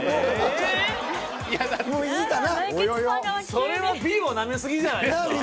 それはＢをなめ過ぎじゃないですか。